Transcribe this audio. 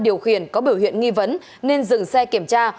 điều khiển có biểu hiện nghi vấn nên dừng xe kiểm tra